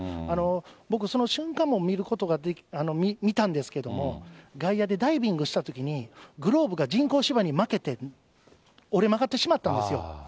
僕、その瞬間も見たんですけども、外野でダイビングしたときに、グローブが人工芝に負けて、折れ曲がってしまったんですよ。